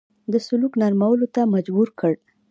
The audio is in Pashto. د سلوک نرمولو ته مجبور کړ.